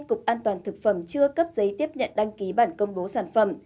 cục an toàn thực phẩm chưa cấp giấy tiếp nhận đăng ký bản công bố sản phẩm